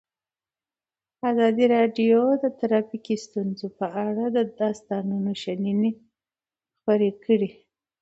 ازادي راډیو د ټرافیکي ستونزې په اړه د استادانو شننې خپرې کړي.